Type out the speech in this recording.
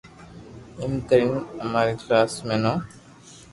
ايم ڪرين ڪرين امارو ڪلاس مي نوم